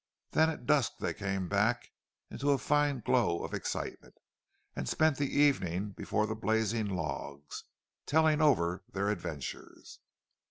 Then at dusk they came back, in a fine glow of excitement, and spent the evening before the blazing logs, telling over their adventures.